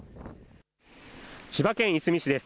千葉県いすみ市です。